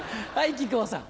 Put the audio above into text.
木久扇さん。